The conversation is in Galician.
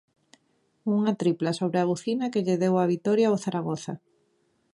Unha tripla sobre a bucina que lle deu a vitoria ao Zaragoza.